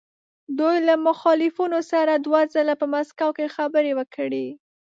دوی له مخالفینو سره دوه ځله په مسکو کې خبرې وکړې.